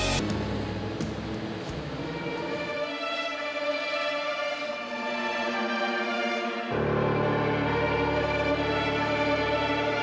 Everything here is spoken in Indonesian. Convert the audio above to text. dasar mereka memblengken